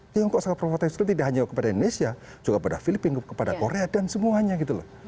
tiongkok sangat profesional tidak hanya kepada indonesia juga kepada filipina kepada korea dan semuanya gitu loh